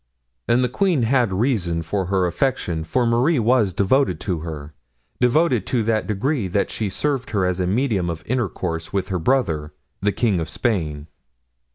"And the queen had reason for her affection, for Marie was devoted to her—devoted to that degree that she served her as medium of intercourse with her brother, the king of Spain."